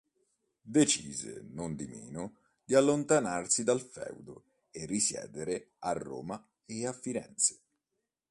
Decise, nondimeno, di allontanarsi dal feudo e risiedere a Roma e a Firenze.